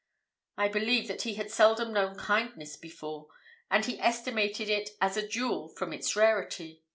I believe that he had seldom known kindness before, and he estimated it as a jewel from its rarity.